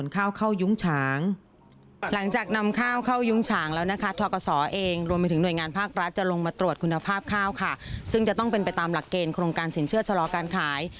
ซึ่งจะต้องเป็นไปตามหลักเกณฑ์โครงการสินเชื่อชะลอการขาย